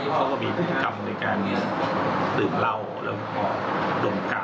เขาก็มีภูมิกรรมในการตื่นเหล้าแล้วดมกาว